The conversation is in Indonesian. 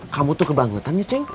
kamu tuh kebangetan ya ceng